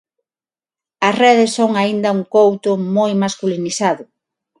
As redes son aínda un couto moi masculinizado.